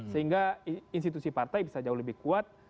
sehingga institusi partai bisa jauh lebih kuat